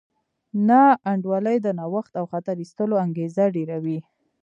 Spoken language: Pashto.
ناانډولي د نوښت او خطر اخیستلو انګېزه ډېروي.